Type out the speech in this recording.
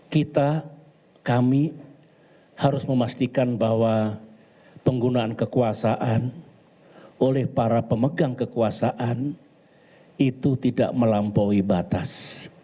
kita kami harus memastikan bahwa penggunaan kekuasaan oleh para pemegang kekuasaan itu tidak melampaui batas